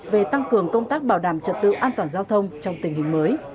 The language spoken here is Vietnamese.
về tăng cường công tác bảo đảm trật tự an toàn giao thông trong tình hình mới